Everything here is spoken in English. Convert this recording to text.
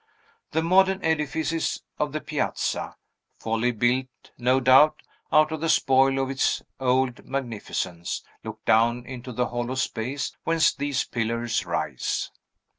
The modern edifices of the piazza (wholly built, no doubt, out of the spoil of its old magnificence) look down into the hollow space whence these pillars rise.